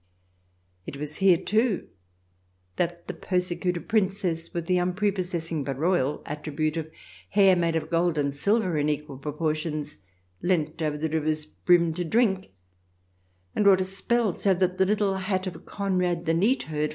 It was here, too, that the persecuted Princess with the unprepossessing but royal attribute of hair made of gold and silver in equal proportions, leant over the river's brim to drink, and wrought, a spell so that the little hat of Conrad, the neatherd, CH.